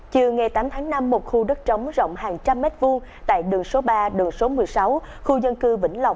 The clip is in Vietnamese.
trừ ngày tám tháng năm một khu đất trống rộng hàng trăm mét vu tại đường số ba đường số một mươi sáu khu dân cư vĩnh lọc